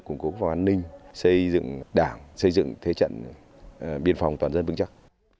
củng cố phòng an ninh xây dựng đảng xây dựng thế trận biên phòng toàn dân vững chắc